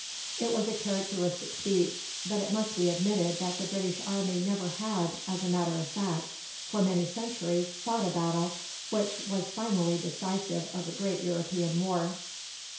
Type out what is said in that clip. It was a characteristic speech, but it must be admitted that the British Army never had, as a matter of fact, for many centuries fought a battle which was finally decisive of a great European war.